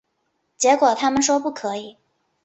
结果他们说不可以